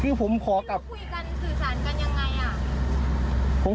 คือผมขอกลับไม่รู้คุยกันสื่อสารกันยังไง